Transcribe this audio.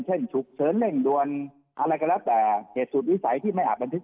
ฉุกเฉินเร่งด่วนอะไรก็แล้วแต่เหตุสุดวิสัยที่ไม่อาจบันทึก